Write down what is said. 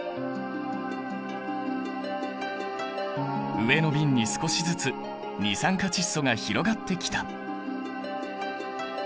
上の瓶に少しずつ二酸化窒素が広がってきた！